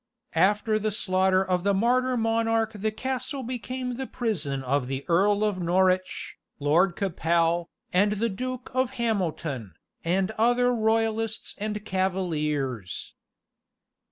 After the slaughter of the martyr monarch the castle became the prison of the Earl of Norwich, Lord Capel, and the Duke of Hamilton, and other royalists and cavaliers.